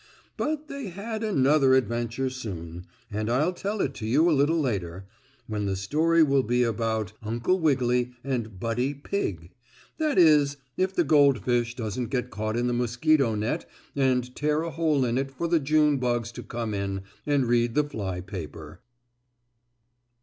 But they had another adventure soon, and I'll tell it to you a little later, when the story will be about Uncle Wiggily and Buddy Pigg that is if the goldfish doesn't get caught in the mosquito net and tear a hole in it for the June bugs to come in and read the fly paper.